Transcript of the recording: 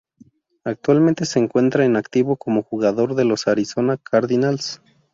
Actualmente se encuentra en activo como jugador de los Arizona Cardinals.